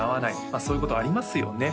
まあそういうことありますよね